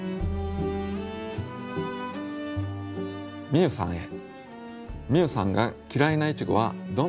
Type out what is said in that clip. みゆさんへ。